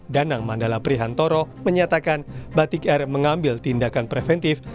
danang mandala prihantoro menyatakan batik air mengambil tindakan preventif